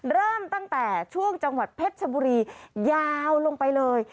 เริ่มตั้งแต่ช่วงจังหวัดเพชรชบุรียาวลงไปเลย